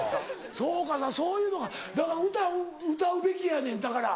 そうかそういうのがだから歌歌うべきやねんだから。